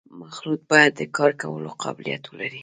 مخلوط باید د کار کولو قابلیت ولري